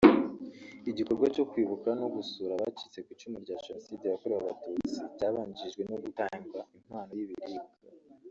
Igikorwa cyo kwibuka no gusura abacitse ku icumu rya Jenoside yakorewe Abatutsi cyabanjirijwe no gutanga impano y’ibiribwa